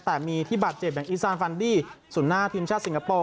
แต่มีที่บาดเจ็บอย่างอีซานฟันดี้ศูนย์หน้าทีมชาติสิงคโปร์